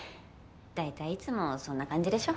だいたいいつもそんな感じでしょ。